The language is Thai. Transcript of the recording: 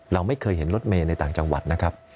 เราไม่เคยเห็นรถเมย์ในต่างจังหวัดนะครับ